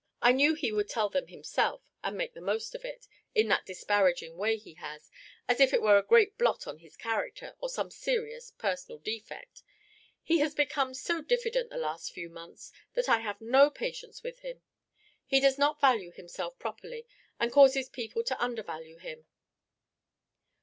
I knew he would tell them himself, and make the most of it, in that disparaging way he has, as if it were a great blot on his character, or some serious personal defect. He has become so diffident the last few months that I have no patience with him! He does not value himself properly, and causes people to undervalue him."